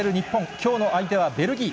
きょうの相手はベルギー。